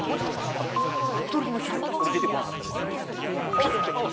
たぶんこれ出てこなかったらちょっと怖い